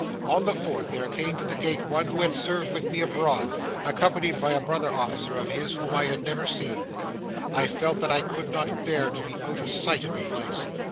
On the fourth there came to the gate one who had served with me abroad, accompanied by a brother officer of his whom I had never seen. I felt that I could not bear to be out of sight of the place.